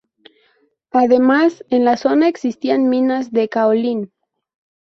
Además, en la zona existían minas de caolín.